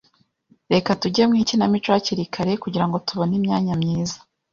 Reka tujye mu ikinamico hakiri kare kugirango tubone imyanya myiza.